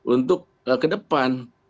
untuk ke depan